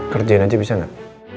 kerjain aja bisa gak